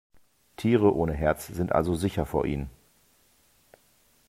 Tiere ohne Herz sind also sicher vor ihnen.